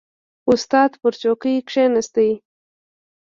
• استاد پر څوکۍ کښېناست.